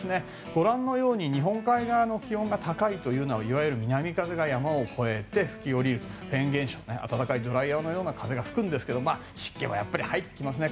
ご覧のように日本海側の気温が高いというのはいわゆる南風が吹き下りるいわゆるフェーン現象暖かいドライヤーのような風が吹くんですが湿気は入ってきますね。